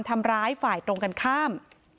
ทำร้ายฝ่ายตรงกันข้าม